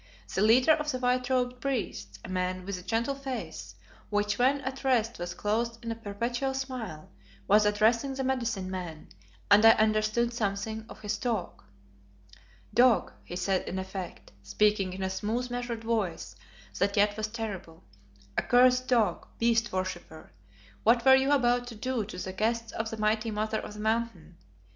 The leader of the white robed priests, a man with a gentle face, which when at rest was clothed in a perpetual smile, was addressing the medicine man, and I understood something of his talk. "Dog," he said in effect, speaking in a smooth, measured voice that yet was terrible, "accursed dog, beast worshipper, what were you about to do to the guests of the mighty Mother of the Mountain?